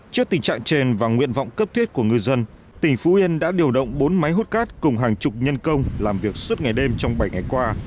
trước tình trạng trên và nguyện vọng cấp thiết của ngư dân tỉnh phú yên đã điều động bốn máy hút cát cùng hàng chục nhân công làm việc suốt ngày đêm trong bảy ngày qua